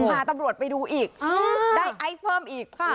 พาตำรวจไปดูอีกได้ไอซ์เพิ่มอีก